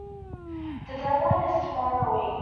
The deadline is tomorrow week